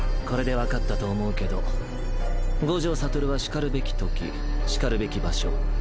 これで分かったと思うけど五条悟はしかるべきときしかるべき場所